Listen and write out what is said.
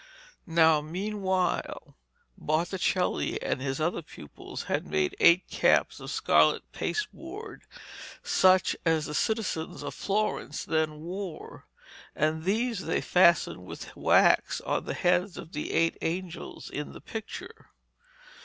Now meanwhile Botticelli and his other pupils had made eight caps of scarlet pasteboard such as the citizens of Florence then wore, and these they fastened with wax on to the heads of the eight angels in the picture.